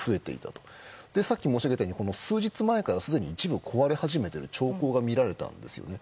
そして、さっき申し上げたように数日前から一部壊れて始めている兆候が見られたんですね。